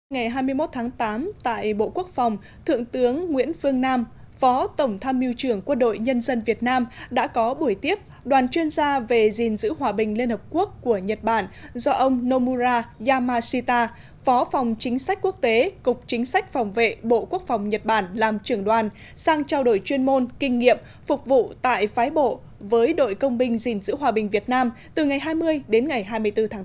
ngày hai mươi một tháng tám tại bộ quốc phòng thượng tướng nguyễn phương nam phó tổng tham mưu trưởng quân đội nhân dân việt nam đã có buổi tiếp đoàn chuyên gia về gìn giữ hòa bình liên hợp quốc của nhật bản do ông nomura yamashita phó phòng chính sách quốc tế cục chính sách phòng vệ bộ quốc phòng nhật bản làm trưởng đoàn sang trao đổi chuyên môn kinh nghiệm phục vụ tại phái bộ với đội công binh gìn giữ hòa bình việt nam từ ngày hai mươi đến ngày hai mươi bốn tháng tám